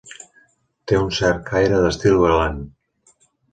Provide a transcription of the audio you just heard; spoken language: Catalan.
Té un cert aire d'estil galant.